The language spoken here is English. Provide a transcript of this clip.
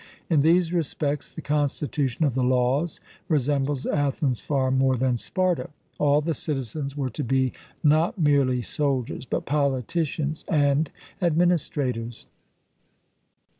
In these respects the constitution of the Laws resembles Athens far more than Sparta. All the citizens were to be, not merely soldiers, but politicians and administrators.